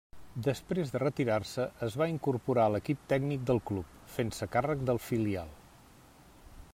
Després de retirar-se es va incorporar a l'equip tècnic del club, fent-se càrrec del filial.